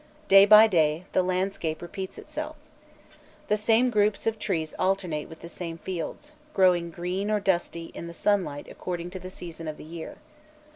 Day by day, the landscape repeats itself. The same groups of trees alternate with the same fields, growing green or dusty in the sunlight according to the season of the year.